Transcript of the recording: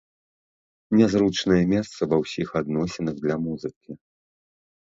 Нязручнае месца ва ўсіх адносінах для музыкі!